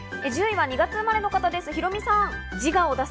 １０位は２月生まれの方です、ヒロミさん。